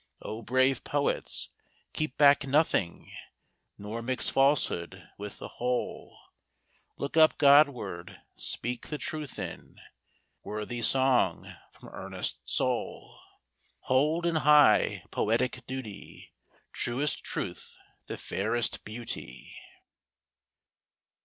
O brave poets, keep back nothing ; Nor mix falsehood with the whole ! Look up Godward! speak the truth in Worthy song from earnest soul ! Hold, in high poetic duty, Truest Truth the fairest Beauty!